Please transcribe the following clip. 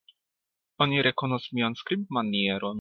Oni rekonos mian skribmanieron.